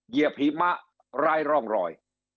เหยียหิมะไร้ร่องรอย